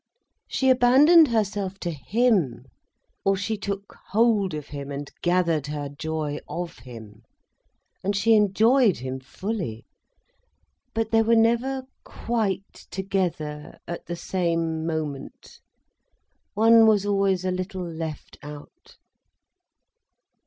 She abandoned herself to him, or she took hold of him and gathered her joy of him. And she enjoyed him fully. But they were never quite together, at the same moment, one was always a little left out.